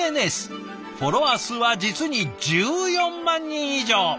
フォロワー数は実に１４万人以上。